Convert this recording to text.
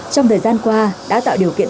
trong thời gian qua đã tạo điều kiện